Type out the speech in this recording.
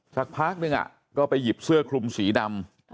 สักพักนึงก็ไปหยิบเสื้อคลุมสีดำ